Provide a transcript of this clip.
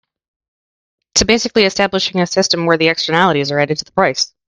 So basically establishing a system where the externalities are added to the price.